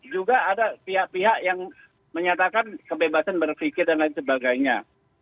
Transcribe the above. juga ada pihak pihak yang menyatakan kebebasan berpikir dan lain sebagainya